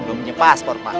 belum punya paspor pak